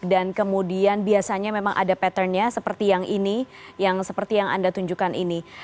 dan kemudian biasanya memang ada pattern nya seperti yang ini yang seperti yang anda tunjukkan ini